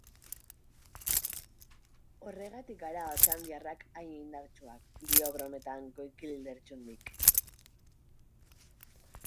Horregatik gara otxandiarrak hain indartsuak, dio brometan Koikili Lertxundik.